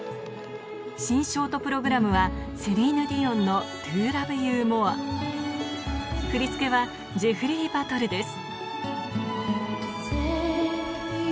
新ショートプログラムはセリーヌ・ディオンの『ＴｏＬｏｖｅＹｏｕＭｏｒｅ』振り付けはジェフリー・バトルです